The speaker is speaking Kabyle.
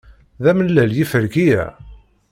D amellal yiferki-a?